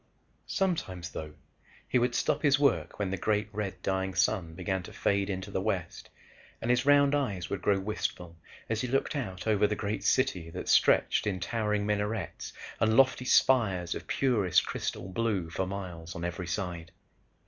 Sometimes, though, he would stop his work when the great red dying sun began to fade into the west and his round eyes would grow wistful as he looked out over the great city that stretched in towering minarets and lofty spires of purest crystal blue for miles on every side.